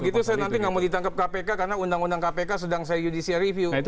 begitu saya nanti nggak mau ditangkap kpk karena undang undang kpk sedang saya judicial review